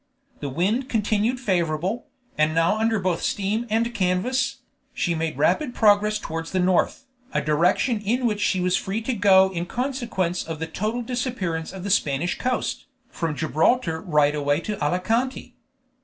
The wind continued favorable, and now under both steam and canvas, she made a rapid progress towards the north, a direction in which she was free to go in consequence of the total disappearance of the Spanish coast, from Gibraltar right away to Alicante.